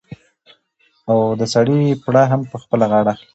او د سړي پړه هم په خپله غاړه اخلي.